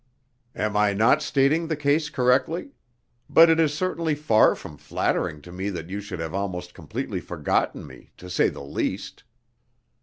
Am I not stating the case correctly? But it is certainly far from flattering to me that you should have almost completely forgotten me, to say the least."